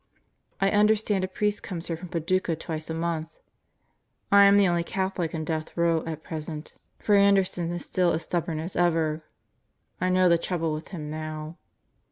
I understand a priest comes here from Paducah twice a month. I am the only Catholic in Death Row at present; for Anderson is 52 God Goes to Murderer's Row still as stubborn as ever. ... I know the trouble with him now.